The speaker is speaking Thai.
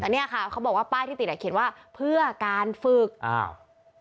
แต่เนี้ยค่ะเขาบอกว่าป้ายที่ติดอ่ะเขียนว่าเพื่อการฝึกอ้าว